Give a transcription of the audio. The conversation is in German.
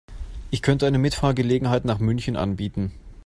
Ich könnte eine Mitfahrgelegenheit nach München anbieten